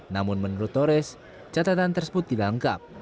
namun menurut torres catatan tersebut tidak lengkap